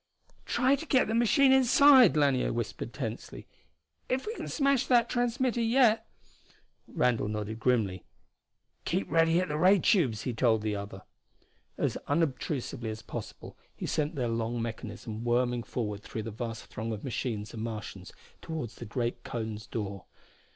"Try to get the machine inside!" Lanier whispered tensely. "If we can smash that transmitter yet...." Randall nodded grimly. "Keep ready at the ray tubes," he told the other. As unobtrusively as possible he sent their long mechanism worming forward through the vast throng of machines and Martians, toward the great cone's door.